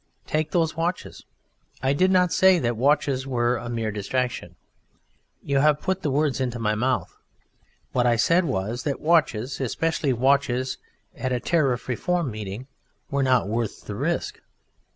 Take those watches. I did not say that watches were "a mere distraction." You have put the words into my mouth. What I said was that watches, especially watches at a Tariff Reform meeting, were not worth the risk.